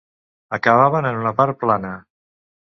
Acabaven en una part plana.